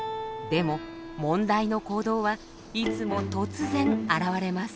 でも問題の行動はいつも突然現れます。